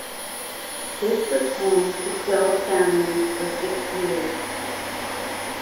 This was home to twelve families for six years.